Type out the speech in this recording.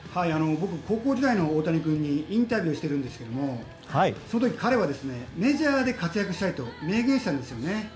高校時代の大谷君にインタビューをしているんですけどその時、彼はメジャーで活躍したいと明言していたんですね。